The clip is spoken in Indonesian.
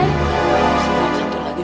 ini yang satu lagi